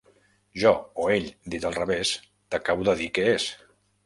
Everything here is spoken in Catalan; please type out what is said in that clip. Jo o ell dit al revés, t'acabo de dir què és.